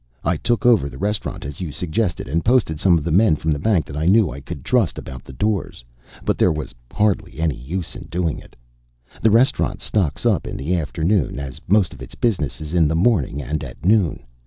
I took over the restaurant as you suggested, and posted some of the men from the bank that I knew I could trust about the doors. But there was hardly any use in doing it." "The restaurant stocks up in the afternoon, as most of its business is in the morning and at noon.